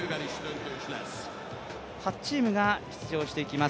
８チームが出場していきます